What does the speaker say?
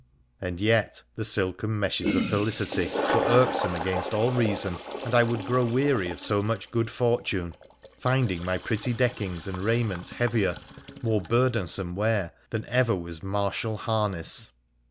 And yet the silken meshes of felicity were irksome against all reason, and I would grow weary of so much good fortune, finding my pretty deckings and raiment heavier — more burden some wear — than ever was martial harness.